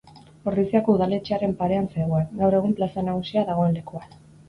Ordiziako udaletxearen parean zegoen, gaur egun Plaza Nagusia dagoen lekuan.